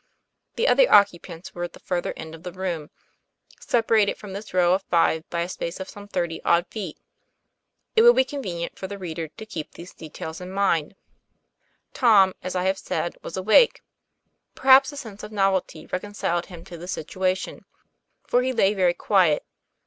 The other occupants were at the further end of the room, separated from this row of five by a space of some thirty odd feet. It will be convenient for the reader to keep these details in mind. Tom, as I have said, was awake. Perhaps a sense of novelty reconciled him to the situation ; for he lay very quiet.